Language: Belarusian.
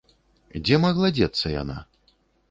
Дзе магла дзецца яна?